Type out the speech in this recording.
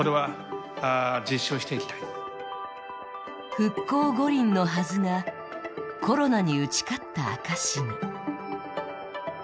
復興五輪のはずが、コロナに打ち勝った証しに。